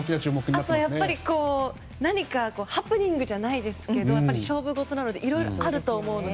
あと、ハプニングじゃないですけど勝負ごとなのでいろいろとあると思うので。